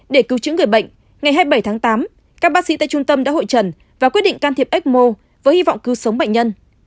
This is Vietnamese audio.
để cứu chữa người bệnh ngày hai mươi bảy tháng tám các bác sĩ tại trung tâm đã hội trần và quyết định can thiệp ecmo với hy vọng cứu sống bệnh nhân